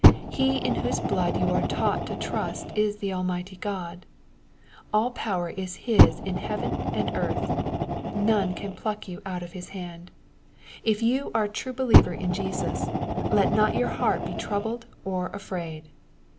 He in whose blood you are taught to trust is the Almighty God. All power is His in heaven and earth. None can pluck you out of His hand. If you are a true believer in Jesus, let not your heart be troubled or afraid.